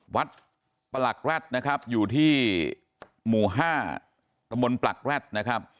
วัดปลักรัชนะครับอยู่ที่หมู่๕ตมปลักรัชนะครับ